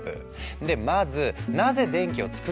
でまずなぜ電気を作れるのか？